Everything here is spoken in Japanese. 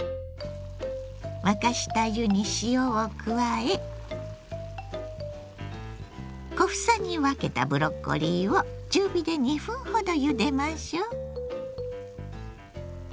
沸かした湯に塩を加え小房に分けたブロッコリーを中火で２分ほどゆでましょう。